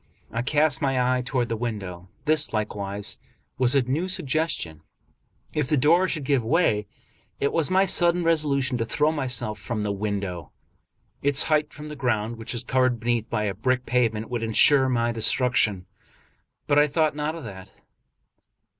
I cast my eye toward the window. This, likewise, was a new suggestion. 266 Charles Brockdcn Brown If the door should give way, it was my sudden resolution to throw myself from the window. Its height from the ground, which was covered beneath by a brick pavement, would insure my destruction; but I thought not of that.